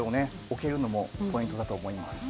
置けるのもポイントだと思います。